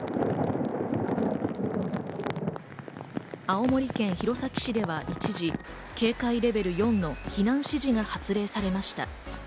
青森県弘前市では一時、警戒レベル４の避難指示が発令されました。